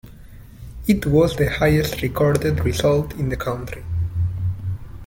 It was the highest recorded result in the country.